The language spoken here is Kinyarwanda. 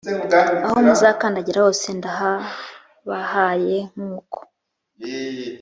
aho muzakandagira hose ndahabahaye nk uko